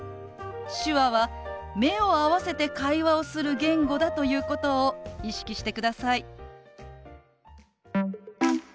手話は目を合わせて会話をする言語だということを意識してください。